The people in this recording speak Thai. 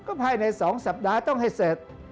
ภายใน๒สัปดาห์ต้องให้เสร็จ